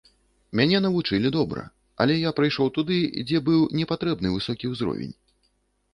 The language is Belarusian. Мяне навучылі добра, але я прыйшоў туды, дзе быў не патрэбны высокі ўзровень.